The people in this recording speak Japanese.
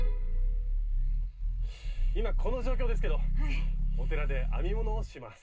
今この状況ですけどお寺で編み物をします。